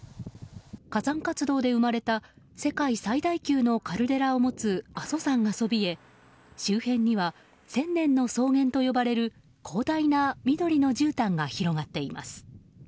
火山活動で生まれた世界最大級のカルデラを持つ阿蘇山がそびえ、周辺には千年の草原と呼ばれる広大な緑のじゅうたんが広がっています。